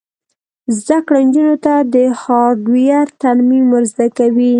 زده کړه نجونو ته د هارډویر ترمیم ور زده کوي.